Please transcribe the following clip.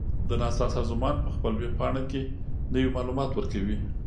د ناسا سازمان په خپل ویب پاڼه کې نوي معلومات ورکوي.